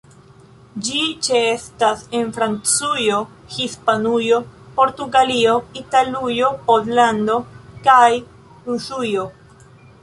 Ĝi ĉeestas en Francujo, Hispanujo, Portugalio, Italujo, Pollando kaj Rusujo.